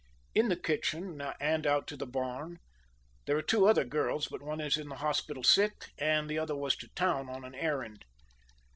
"In the kitchen and out to the barn. There are two other girls, but one is in the hospital sick and the other was to town on an errand."